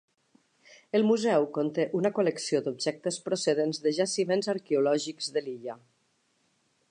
El museu conté una col·lecció d'objectes procedents de jaciments arqueològics de l'illa.